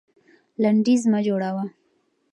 لنډيز مه جوړوه.